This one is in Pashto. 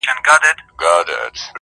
نه یو بل موږک پرېږدي و خپلي خواته,